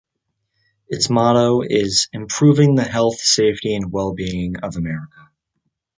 Its motto is "Improving the health, safety, and well-being of America".